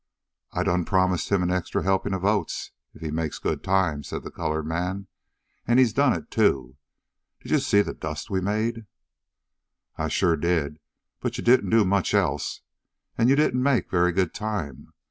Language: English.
"I done promise him an extra helpin' ob oats ef he make good time," said the colored man. "An' he done it, too. Did yo' see de dust we made?" "I sure did, but you didn't do much else. And you didn't make very good time.